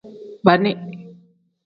Baani.